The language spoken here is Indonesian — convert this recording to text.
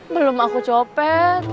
belum aku copet